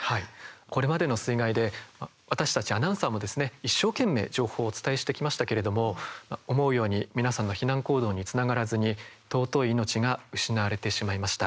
これまでの水害で私たちアナウンサーもですね一生懸命、情報をお伝えしてきましたけれども思うように皆さんの避難行動につながらずに尊い命が失われてしまいました。